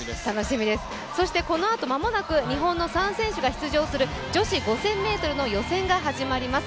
このあと、間もなく日本の３選手が出場する女子５０００ｍの予選が始まります。